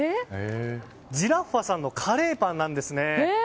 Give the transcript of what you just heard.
ジラッファさんのカレーパンです。